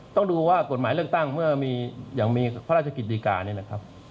ต้องดูว่ากฎหมายเลือกตั้งเมื่อมีอย่างมีพระราชกิจดีการนี่นะครับ